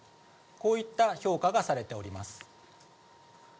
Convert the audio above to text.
こういった評価がされております。